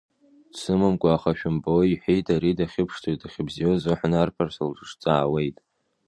Дсымамкәа, аха шәымбо, — иҳәеит, ари дахьыԥшӡо, дахьыбзиоу азыҳәан арԥарцәа лыҿцаауеит.